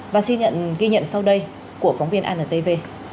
và xin nhận ghi nhận sau đây của phóng viên antv